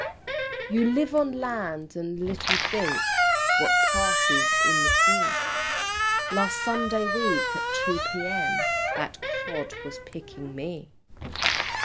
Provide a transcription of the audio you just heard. X. "You live on land, and little think What passes in the sea; Last Sunday week, at 2 P.M., That Cod was picking me!"